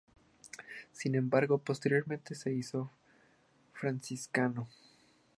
Sin embargo, posteriormente se hizo franciscano.